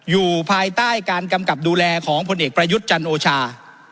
อยู่ภายใต้การกำกับดูแลของผลเอกประยุทธ์จันโอชา